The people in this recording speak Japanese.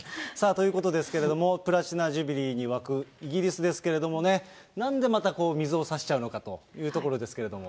ということですけれども、プラチナ・ジュビリーに沸くイギリスですけれどもね、なんでまたこう水をさしちゃうのかというところですけれども。